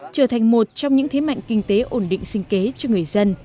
trở thành một trong những thế mạnh kinh tế ổn định sinh kế cho người dân